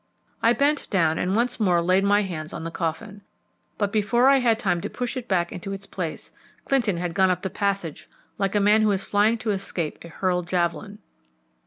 I bent down and once more laid my hands on the coffin, but before I had time to push it back into its place Clinton had gone up the passage like a man who is flying to escape a hurled javelin.